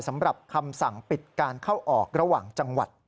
สำหรับคำสั่งปิดการเข้าออกระหว่างจังหวัด